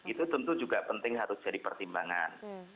itu tentu juga penting harus jadi pertimbangan